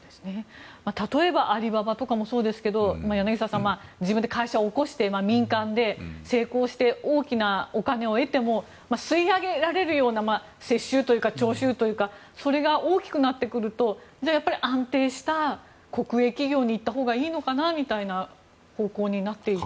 例えばアリババとかもそうですけど柳澤さん、自分で会社を興して民間で成功して大きなお金を得ても吸い上げられるような接収というか、徴収というかそれが大きくなってくるとじゃあ、やっぱり安定した国営企業にいったほうがいいのかなみたいな方向になっていくという。